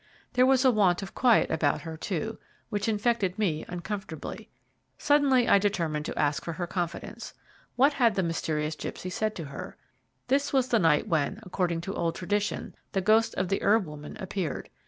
There was a want of quiet about her, too, which infected me uncomfortably. Suddenly I determined to ask for her confidence. What had the mysterious gipsy said to her? This was the night when, according to old tradition, the ghost of the herb woman appeared.